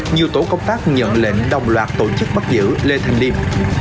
nhiều tổ công tác nhận lệnh đồng loạt tổ chức bắt giữ lê thanh liêm